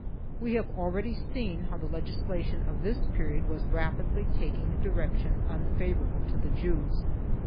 2 We have already seen how the legislation of this period was rapidly taking a direction unfavorable to the Jews.